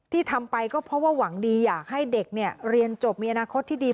ทำไปก็เพราะว่าหวังดีอยากให้เด็กเรียนจบมีอนาคตที่ดี